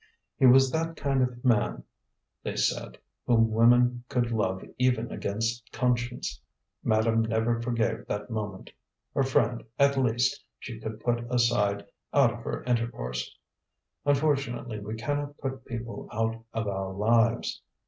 He was that kind of man, they said, whom women could love even against conscience. Madame never forgave that moment. Her friend, at least, she could put aside out of her intercourse; unfortunately, we cannot put people out of our lives.